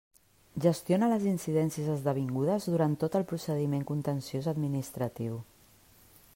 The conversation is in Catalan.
Gestiona les incidències esdevingudes durant tot el procediment contenciós administratiu.